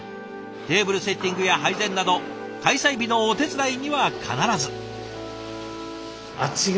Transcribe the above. テーブルセッティングや配膳など開催日のお手伝いには必ず。